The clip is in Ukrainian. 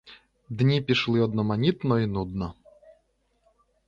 Дні пішли одноманітно й нудно.